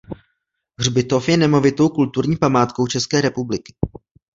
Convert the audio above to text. Hřbitov je nemovitou kulturní památkou České republiky.